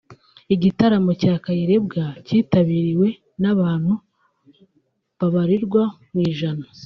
Igitaramo cya Kayirebwa cyitabiriwe n’abantu babarirwa mu ijana